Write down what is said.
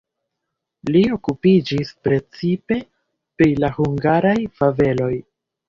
Li okupiĝis precipe pri la hungaraj fabeloj.